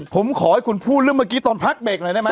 ผมขอให้คุณพูดเรื่องเมื่อกี้ตอนพักเบรกหน่อยได้ไหม